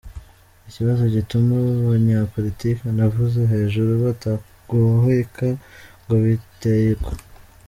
Ikibazo gituma abo banyapoliki navuze hejuru batagoheka ngo giteye uku :